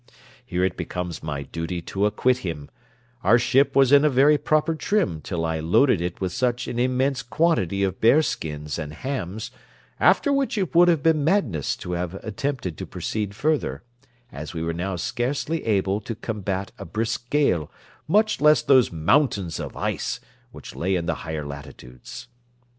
Here it becomes my duty to acquit him; our ship was in a very proper trim till I loaded it with such an immense quantity of bear skins and hams, after which it would have been madness to have attempted to proceed further, as we were now scarcely able to combat a brisk gale, much less those mountains of ice which lay in the higher latitudes.